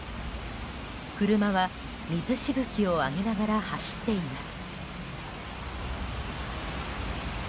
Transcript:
車は水しぶきを上げながら走っています。